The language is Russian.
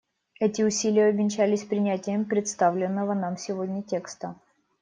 Эти усилия увенчались принятием представленного нам сегодня текста.